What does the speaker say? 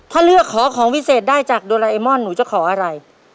ถ้าเลือกขอของวิเศษได้จากโดราเอมอนหนูจะขออะไร